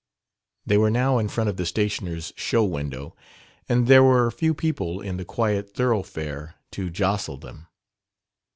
They were now in front of the stationer's show window, and there were few people in the quiet thoroughfare to jostle them.